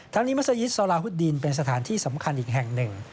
นี้มัศยิตซอลาฮุดดินเป็นสถานที่สำคัญอีกแห่งหนึ่ง